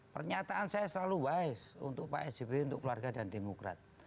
pernyataan saya selalu wise untuk pak sby untuk keluarga dan demokrat